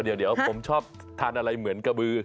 เดี๋ยวผมชอบทานอะไรเหมือนกระบือ